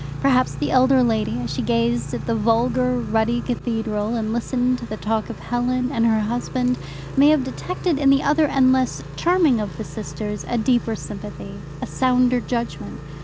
Perhaps the elder lady, as she gazed at the vulgar, ruddy cathedral, and listened to the talk of Helen and her husband, may have detected in the other and less charming of the sisters a deeper sympathy, a sounder judgment.